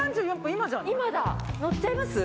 今だ乗っちゃいます？